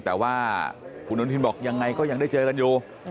แต่ว่าคุณอนุทินบอกยังไงก็ยังได้เจอกันอยู่